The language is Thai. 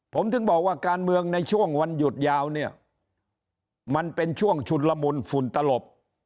ผมถึงบอกว่าการเมืองในช่วงวันหยุดยาวเนี่ยมันเป็นช่วงชุนละมุนฝุ่นตลบ